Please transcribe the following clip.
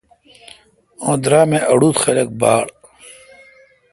اوں درام اے° اڑوت خلق باڑ۔۔